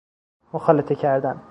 مخالطه کردن